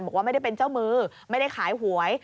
บอกว่าไม่ได้เป็นเจ้ามือไม่ได้ขายหวย